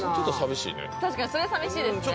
確かにそれは寂しいですね